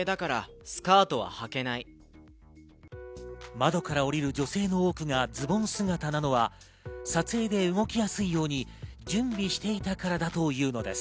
窓から降りる女性の多くがズボン姿なのは撮影で動きやすいように準備していたからだというのです。